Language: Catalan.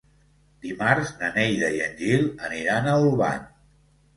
Dimarts na Neida i en Gil aniran a Olvan.